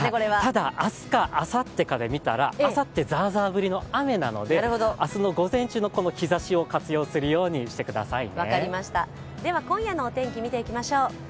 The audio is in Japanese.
ただ、明日かあさってかで見たら、あさってザーザー降りの雨なので明日の午前中のこの日ざしを活用するようにしてくださいね。